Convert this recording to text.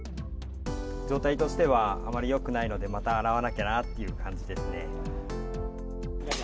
状態としてはあまりよくないので、また洗わなきゃなっていう感じですね。